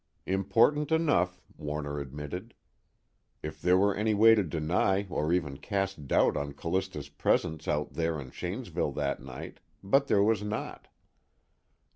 Important enough, Warner admitted. If there were any way to deny or even cast doubt on Callista's presence out there in Shanesville that night but there was not.